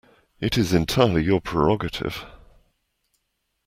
It is entirely your prerogative.